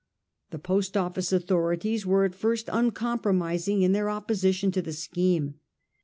The Post Office authorities were at first uncompromising in their opposition to the scheme.